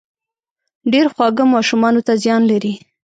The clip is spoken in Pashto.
ډېر خواږه ماشومانو ته زيان لري